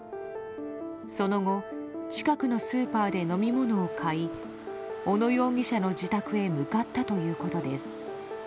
その後、近くのスーパーで飲み物を買い小野容疑者の自宅へ向かったということです。